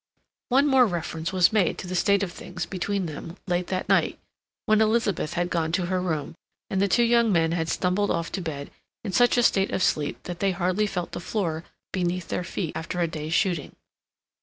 One more reference was made to the state of things between them late that night, when Elizabeth had gone to her room, and the two young men had stumbled off to bed in such a state of sleep that they hardly felt the floor beneath their feet after a day's shooting.